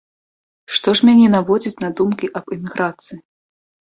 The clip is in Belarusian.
Што ж мяне наводзіць на думкі аб эміграцыі?